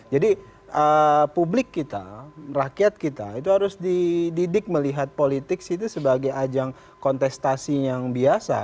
jadi publik kita rakyat kita itu harus didik melihat politik itu sebagai ajang kontestasi yang biasa